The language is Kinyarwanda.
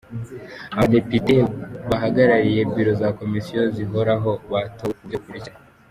Abadepite bahagarariye Biro za Komisiyo zihoraho batowe mu buryo bukurikira:.